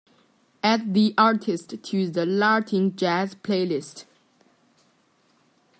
Add the artist to the Latin Jazz playlist.